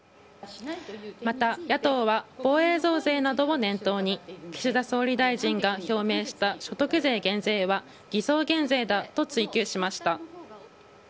また野党は、防衛増税などを念頭に、岸田総理大臣が表明した所得税減税は偽装減税だと追及しました。